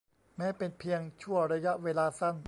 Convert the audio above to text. แม้เป็นเพียงชั่วระยะเวลาสั้น